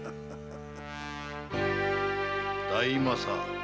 大政